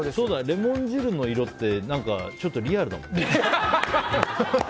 レモン汁の色ってリアルだもんね。